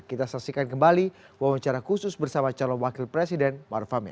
kita saksikan kembali wawancara khusus bersama calon wakil presiden maruf amin